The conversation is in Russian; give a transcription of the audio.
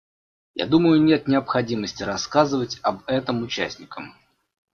Я думаю, нет необходимости рассказывать об этом участникам.